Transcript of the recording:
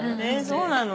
そうなの？